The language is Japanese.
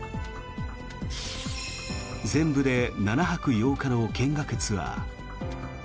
全部で７泊８日の見学ツアー。